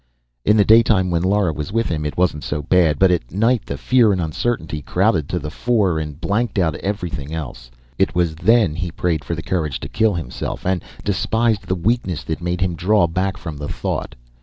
In the daytime when Lara was with him it wasn't so bad, but at night the fear and uncertainty crowded to the fore and blanked out everything else. It was then he prayed for the courage to kill himself, and despised the weakness that made him draw back from the thought.